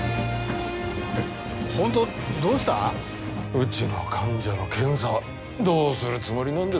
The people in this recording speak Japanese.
うちの患者の検査はどうするつもりなんですかねぇ。